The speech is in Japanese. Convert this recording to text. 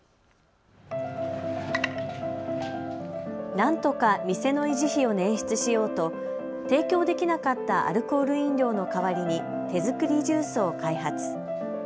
なんとか店の維持費を捻出しようとを提供できなかったアルコール飲料の代わりに手作りジュースを開発。